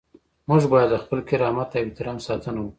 موږ باید له خپل کرامت او احترام ساتنه وکړو.